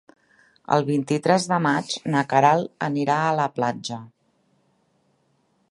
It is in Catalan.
El vint-i-tres de maig na Queralt anirà a la platja.